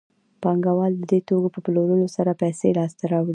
پانګوال د دې توکو په پلورلو سره پیسې لاسته راوړي